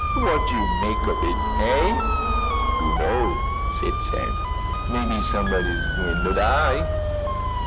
"Wot yo' make of it, hey?" "Dunno," said Sam. "Maybe sumbuddy's gwine to die."